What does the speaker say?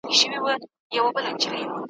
چي دي وساتل کېنه وحرص په زړه کي